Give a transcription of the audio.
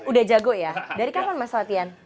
udah jago ya dari kapan mas fatian